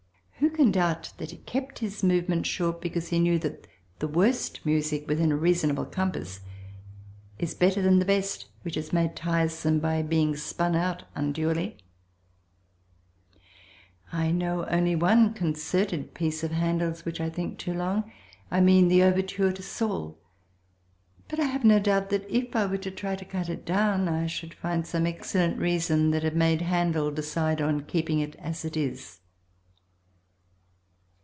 Who can doubt that he kept his movements short because he knew that the worst music within a reasonable compass is better than the best which is made tiresome by being spun out unduly? I only know one concerted piece of Handel's which I think too long, I mean the overture to Saul, but I have no doubt that if I were to try to cut it down I should find some excellent reason that had made Handel decide on keeping it as it is.